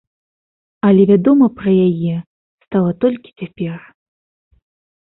Але вядома пра яе стала толькі цяпер.